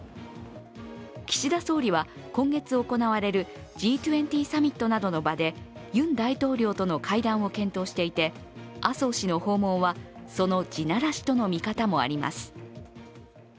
岸田総理は今月行われるＧ２０サミットなどの場でユン大統領との会談を検討していて麻生氏の訪問はその地ならしとの見方もあります。